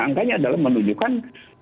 angkanya adalah menunjukkan